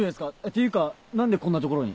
ていうか何でこんな所に？